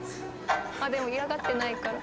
あっでも嫌がってないから。